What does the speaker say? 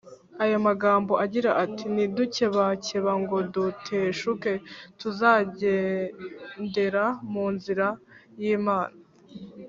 Ayo magambo agira ati ntidukebakeba ngo duteshuke tuzagendera mu nzira y’Imana